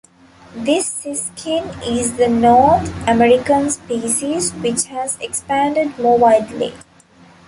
This siskin is the North American species which has expanded more widely.